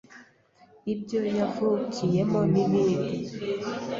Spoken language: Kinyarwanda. ibyo yavukiyemo n'ibidi